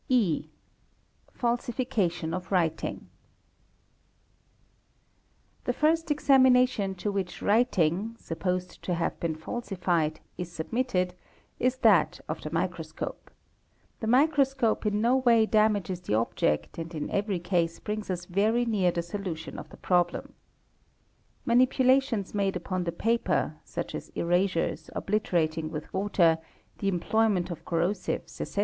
E. Falsification of writing (428—429), The first examination to which writing, supposed to have been falsified, is submitted, is that of the microscope: the microscope in no way damages the object and in every case brings us very near the solution of the problem. Manipulations made upon the paper, such as erasures, obliterating with water, the employment of corrosives, etc.